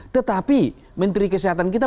tetapi menteri kesehatan kita